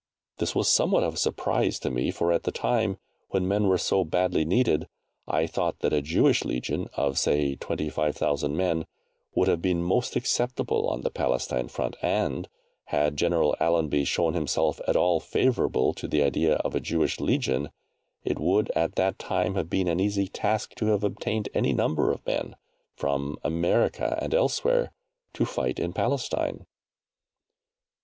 This was somewhat of a surprise to me, for at a time when men were so badly needed, I thought that a Jewish legion, of say 25,000 men, would have been most acceptable on the Palestine front, and, had General Allenby shown himself at all favourable to the idea of a Jewish legion, it would at that time have been an easy task to have obtained any number of men, from America and elsewhere, to fight in Palestine.